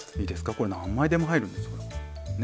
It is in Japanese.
これ何枚でも入るんですよ。ね。